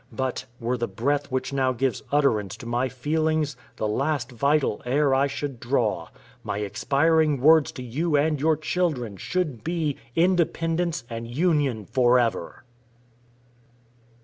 But, were the breath which now gives utterance to my feelings, the last vital air I should draw, my expiring words to you and your children should be, INDEPENDENCE AND UNION FOREVER!